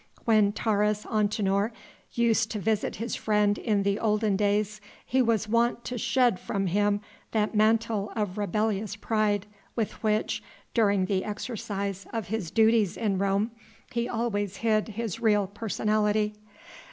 When Taurus Antinor used to visit his friend in the olden days he was wont to shed from him that mantle of rebellious pride with which, during the exercise of his duties in Rome, he always hid his real personality.